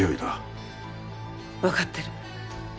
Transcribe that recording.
わかってる。